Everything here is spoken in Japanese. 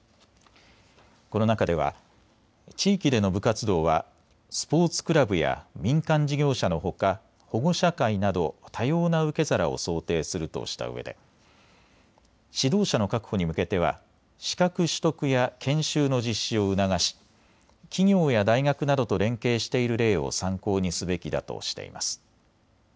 この中では地域での部活動はスポーツクラブや民間事業者のほか保護者会など多様な受け皿を想定するとしたうえで指導者の確保に向けては資格取得や研修の実施を促し企業や大学などと連携している例を参考にすべきだとしています。